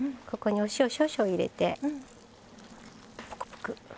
ここにお塩少々入れて。